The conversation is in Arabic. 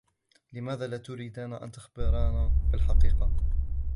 لماذا لا تريدان أن تخبرانا بالحقيقة ؟